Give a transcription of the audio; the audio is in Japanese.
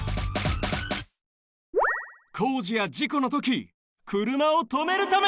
工事や事故のときくるまをとめるため！